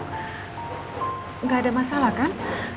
bapak gak ada masalah kan